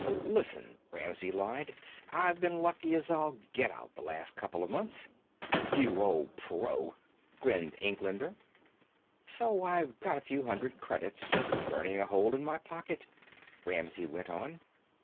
"Listen," Ramsey lied, "I've been lucky as all get out the last couple of months." "You old pro!" grinned Englander. "So I've got a few hundred credits just burning a hole in my pocket," Ramsey went on.